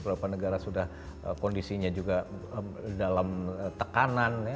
beberapa negara sudah kondisinya juga dalam tekanan ya